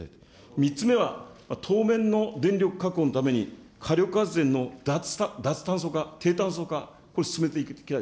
３つ目は、当面の電力確保のために、火力発電の脱炭素化、低炭素化、これ進めていきたい。